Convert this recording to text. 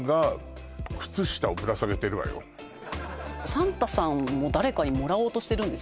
あとサンタさんも誰かにもらおうとしてるんですよね